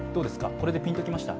これでピンときました？